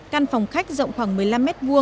căn phòng khách rộng khoảng một mươi năm m hai